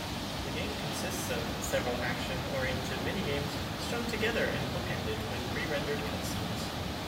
The game consists of several action-oriented minigames strung together and book-ended with pre-rendered cutscenes.